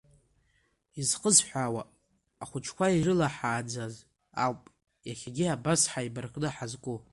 Изхысҳәаауа, ахәыҷқәа ирылаҳааӡаз ауп иахьагьы абас ҳаибаркны ҳазку.